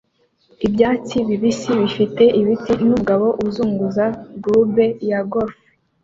ibyatsi bibisi bifite ibiti numugabo uzunguza club ya golf